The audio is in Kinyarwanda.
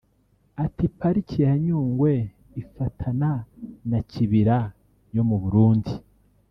Ati “Pariki ya Nyungwe ifatana na Kibira yo mu Burundi